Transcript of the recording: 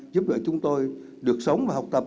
giúp đỡ chúng tôi được sống và học tập